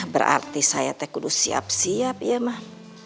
berarti saya tekulus siap siap ya mah